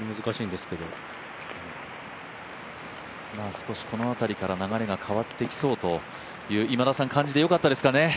少しこの辺りから流れが変わっていきそうという感じでよかったですかね？